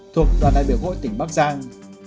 thuộc đoàn đại biểu quốc hội tỉnh bắc giang